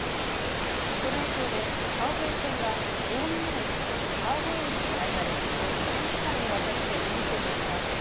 この影響で川越線は大宮駅と川越駅の間でおよそ３時間にわたって運転を見合わせ